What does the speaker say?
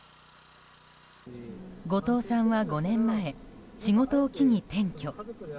後藤さんは５年前仕事を機に転居。